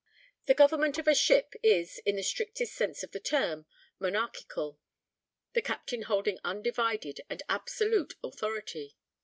The government of a ship is, in the strictest sense of the term, monarchical, the captain holding undivided and absolute authority.